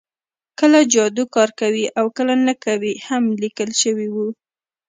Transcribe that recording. کله جادو کار کوي او کله نه کوي هم لیکل شوي وو